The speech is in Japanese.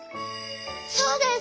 そうです！